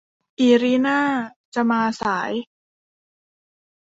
อิริน่าจะมาสาย